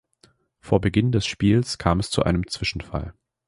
Vor Beginn des Spiels kam es zu einem Zwischenfall.